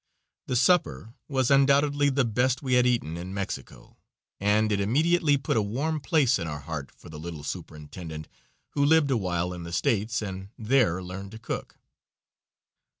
The supper was undoubtedly the best we had eaten in Mexico, and it immediately put a warm place in our heart for the little superintendent, who lived awhile in the States and there learned to cook.